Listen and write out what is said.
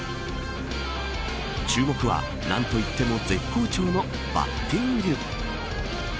注目は、何といっても絶好調のバッティング。